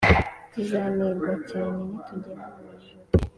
tuzanerwa cyane ni tugera mu ijuru